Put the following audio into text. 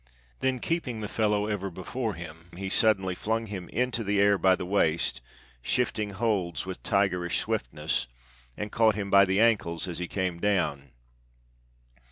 Then, keeping the fellow ever before him, he suddenly flung him into the air by the waist, shifting holds with tigerish swiftness, and caught him by the ankles as he came down.